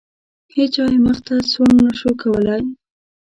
هیچا یې مخې ته سوڼ نه شو کولی.